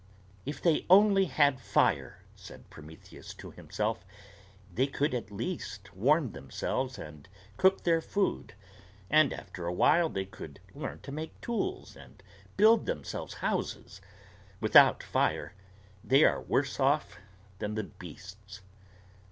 "If they only had fire," said Prometheus to himself, "they could at least warm themselves and cook their food; and after a while they could learn to make tools and build themselves houses. Without fire, they are worse off than the beasts."